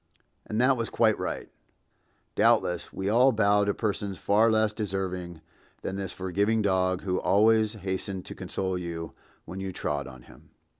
And that was quite right. Doubtless we all bow to persons far less deserving than this forgiving dog who always hastened to console you when you trod on him.